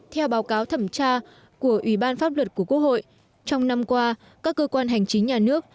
theo báo cáo thẩm tra của ủy ban pháp luật của quốc hội trong năm qua các cơ quan hành chính nhà nước